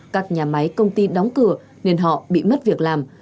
các nhà máy công ty đóng cửa nên họ bị mất việc làm